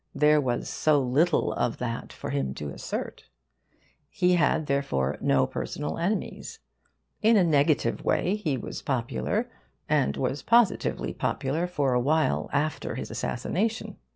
There was so little of that for him to assert. He had, therefore, no personal enemies. In a negative way, he was popular, and was positively popular, for a while, after his assassination.